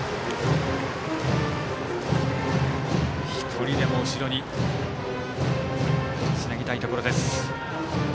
１人でも後ろにつなぎたいところです。